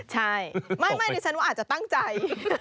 ใช่ไม่ดิฉันว่าอาจจะตั้งใจ